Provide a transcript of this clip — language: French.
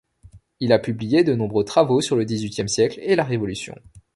Il a publié de nombreux travaux sur le dix-huitième siècle et la Révolution.